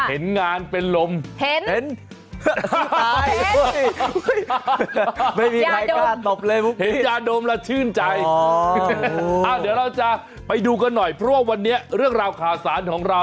เออส่งมามาปลูกพวกเรากันหน่อย